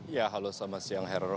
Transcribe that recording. ya halo selamat siang hero